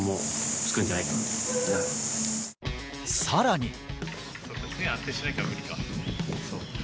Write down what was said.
さらに。